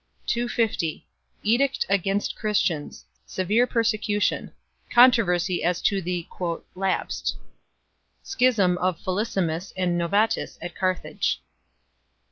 250 Edict against Christians. Severe persecution. Contro versy as to the " Lapsed." Schism of Felicissimus and Novatus at Carthage.